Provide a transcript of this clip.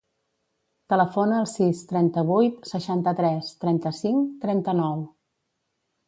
Telefona al sis, trenta-vuit, seixanta-tres, trenta-cinc, trenta-nou.